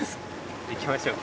行きましょうか。